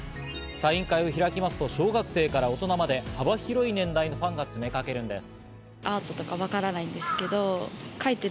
サイン会を開きますと、小学生から大人まで幅広い年代のファンが詰めかけるんです。